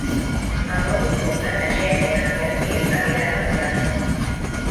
El nou d'octubre na Xènia i en Nil aniran a la platja.